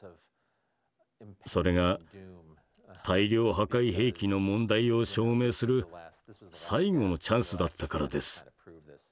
それが大量破壊兵器の問題を証明する最後のチャンスだったからです。